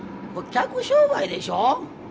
客商売でしょ。